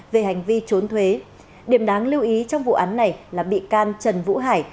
về hành vi trốn thuế điểm đáng lưu ý trong vụ án này là bị can trần vũ hải